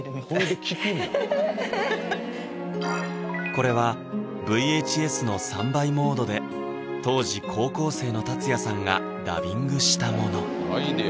これはＶＨＳの３倍モードで当時高校生の達也さんがダビングしたもの